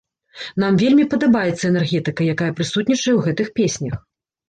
Нам вельмі падабаецца энергетыка, якая прысутнічае ў гэтых песнях.